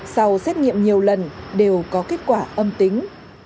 sau xét nghiệm nhiều lần đều có kết quả âm tính